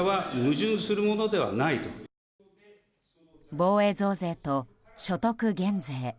防衛増税と所得減税。